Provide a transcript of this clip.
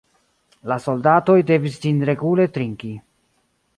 La soldatoj devis ĝin regule trinki.